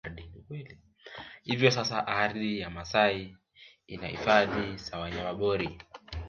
Hivyo sasa ardhi ya Wamasai ina Hifadhi za Wanyamapori